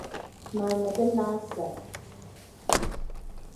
Malimi di laasabu.